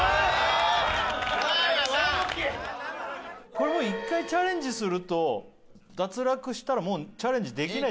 これは一回チャレンジすると脱落したらもうチャレンジできないってこと？